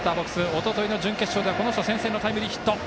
おとといの準決勝では、この人の先制のタイムリーヒット。